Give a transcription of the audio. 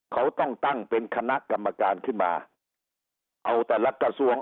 เขาต้องตั้งเป็นคณะกรรมการขึ้นมาเอาแต่ละกระทรวง